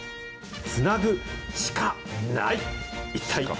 つなぐシカない。